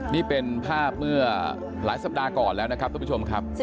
นี่เป็นภาพเมื่อหลายสัปดาห์ก่อนแล้วนะครับทุกผู้ชมครับ